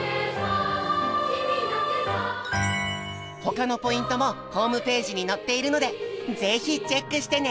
他のポイントもホームページに載っているので是非チェックしてね！